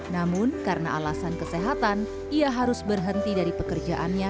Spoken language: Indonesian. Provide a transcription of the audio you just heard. namun karena alasan kesehatan ia harus berhenti dari pekerjaannya